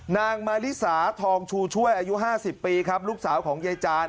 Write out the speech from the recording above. นางมาริสาทองชูช่วยอายุ๕๐ปีครับลูกสาวของยายจาน